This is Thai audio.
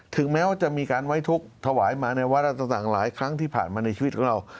ถึงแม้ว่าจะมีการไว้ทุกข์ถวายมาในวาระต่างหลายครั้งที่ผ่านมาในชีวิตของเรา